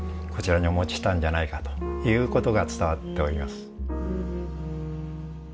こちらにお持ちしたんじゃないかという事が伝わっております。